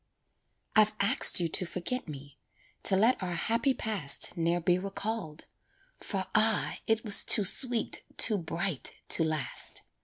I've asked you to forget me, To let our happy past Ne'er be recalled; for ah! it was Too sweet, too bright! to last.